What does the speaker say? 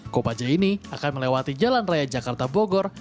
kopaja ini akan melewati jalan raya jakarta bogor